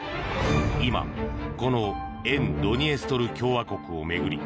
今この沿ドニエストル共和国を巡り